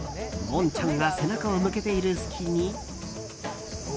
モンちゃんが背中を向けている隙に。